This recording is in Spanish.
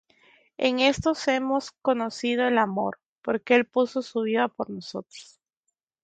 En esto hemos conocido el amor, porque él puso su vida por nosotros: